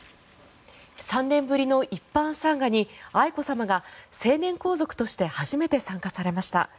３年ぶりの一般参賀に愛子さまが成年皇族として初めて参加されました。